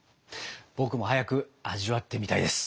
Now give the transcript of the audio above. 僕も早く味わってみたいです。